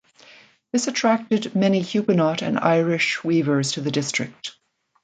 This attracted many Huguenot and Irish weavers to the district.